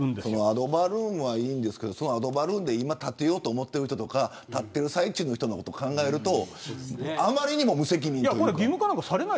アドバルーンはいいんですがアドバルーンで建てようと思っている人とか建ってる最中の人を考えるとあまりにも無責任というか。